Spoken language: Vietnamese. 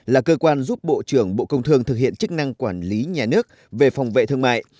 là cơ quan giúp bộ trưởng bộ công thương thực hiện chức năng quản lý nhà nước về phòng vệ thương mại